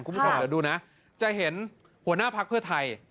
คุณผู้ชมเดี๋ยวดูนะจะเห็นหัวหน้าพักเพื่อไทย